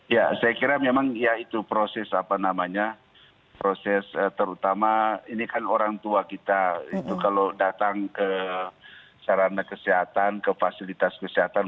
ya saya kira memang ya itu proses apa namanya proses terutama ini kan orang tua kita itu kalau datang ke sarana kesehatan ke fasilitas kesehatan